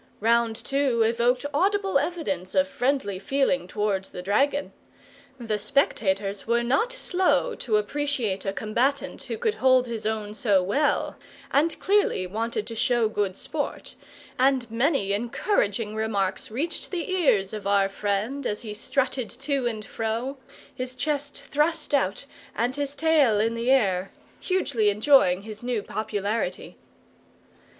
Round Two evoked audible evidence of friendly feeling towards the dragon. The spectators were not slow to appreciate a combatant who could hold his own so well and clearly wanted to show good sport, and many encouraging remarks reached the ears of our friend as he strutted to and fro, his chest thrust out and his tail in the air, hugely enjoying his new popularity.